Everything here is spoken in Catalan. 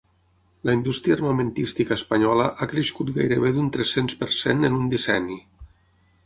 La indústria armamentística espanyola ha crescut gairebé d’un tres-cents per cent en un decenni.